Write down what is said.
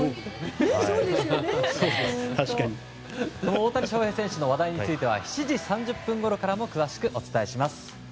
大谷翔平選手の話題については７時３０分ごろからも詳しくお伝えします。